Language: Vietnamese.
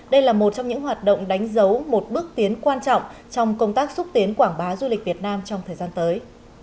đây là một trong những hoạt động đánh dấu một bước tiến quan trọng trong công tác xúc tiến quảng bá du lịch việt nam trong thời gian tới